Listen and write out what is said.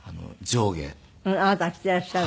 あなたが着ていらっしゃるの？